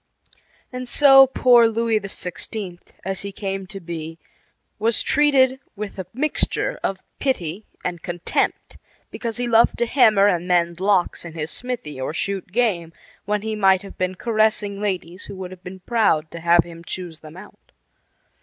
And so poor Louis XVI., as he came to be, was treated with a mixture of pity and contempt because he loved to hammer and mend locks in his smithy or shoot game when he might have been caressing ladies who would have been proud to have him choose them out.